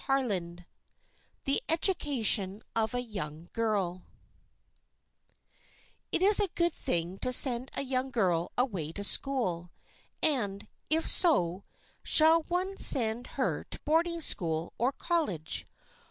CHAPTER X THE EDUCATION OF A YOUNG GIRL IS IT a good thing to send a young girl away to school, and, if so, shall one send her to boarding school or college?